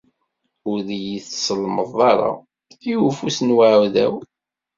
Ur iyi-tsellmeḍ ara i ufus n uɛdaw.